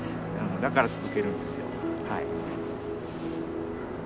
だから続けるんですよはい。